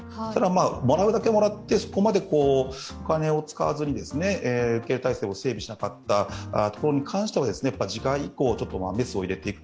もらうだけもらってそこまでお金を使わずに受け入れ体制を整備しなかったところに関しては次回以降メスを入れていく。